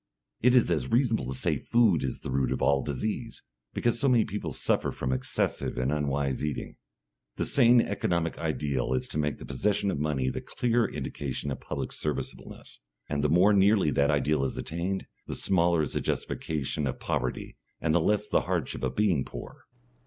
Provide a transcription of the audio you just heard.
It is as reasonable to say food is the root of all disease, because so many people suffer from excessive and unwise eating. The sane economic ideal is to make the possession of money the clear indication of public serviceableness, and the more nearly that ideal is attained, the smaller is the justification of poverty and the less the hardship of being poor.